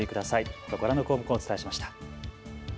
きょうはご覧の項目をお伝えしました。